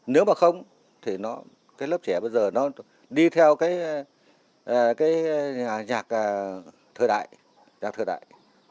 nếu mà không thì cái lớp trẻ bây giờ nó đi theo cái nhạc thời đại